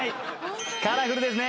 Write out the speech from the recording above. カラフルですね。